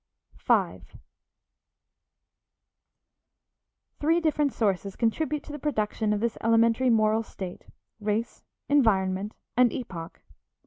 V Three different sources contribute to the production of this elementary moral state, race, environment, and _epoch.